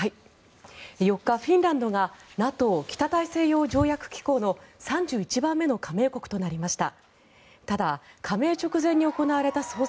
４日、フィンランドがＮＡＴＯ・北大西洋条約機構の３１番目の加盟国となりました。